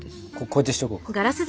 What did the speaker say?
こうやってしとこうか。